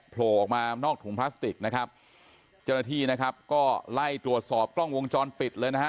โผล่ออกมานอกถุงพลาสติกนะครับเจ้าหน้าที่นะครับก็ไล่ตรวจสอบกล้องวงจรปิดเลยนะฮะ